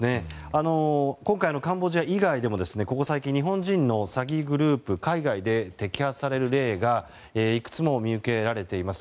今回のカンボジア以外でもここ最近日本人の詐欺グループ海外で摘発される例がいくつも見受けられています。